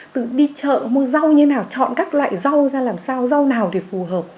tự đi chợ mua rau như nào chọn các loại rau ra làm sao rau nào để phù hợp